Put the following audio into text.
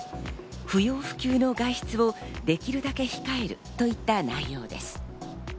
不要不急の外出をできるだけ控えるといった内容です。